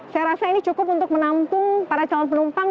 saya rasa ini cukup untuk menampung para calon penumpang